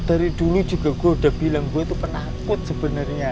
dari dulu juga gue udah bilang gue itu penakut sebenarnya